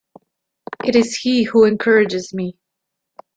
It is he who encourages me.